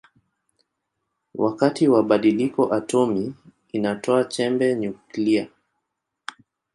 Wakati wa badiliko atomi inatoa chembe nyuklia.